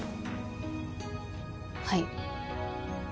はい。